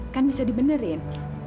kan bisa dibenerin